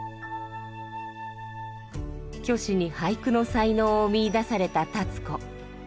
虚子に俳句の才能を見いだされた立子。